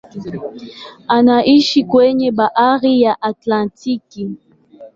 Unaishia kwenye bahari ya Atlantiki.